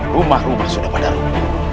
rumah rumah sudah pada rumah